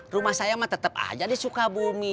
rumah saya mah tetap aja di sukabumi